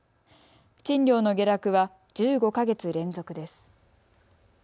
賃料の下落は１５か月連続です。